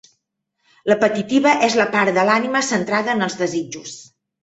L'apetitiva és la part de l'ànima centrada en els desitjos.